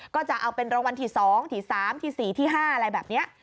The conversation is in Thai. ก็จะเอาเป็นรางวัลที่๒ที่๓ที่๔ที่๕อะไรแบบนี้